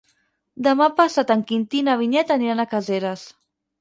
Demà passat en Quintí i na Vinyet aniran a Caseres.